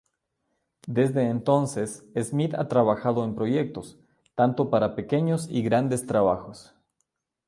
Desde entonces, Smith ha trabajado en proyectos, tanto para pequeños y grandes trabajos.